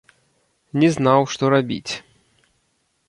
Не знаў, што рабіць.